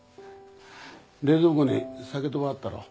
冷蔵庫に鮭とばあったろ。